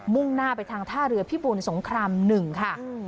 ่งหน้าไปทางท่าเรือพิบูลสงคราม๑ค่ะ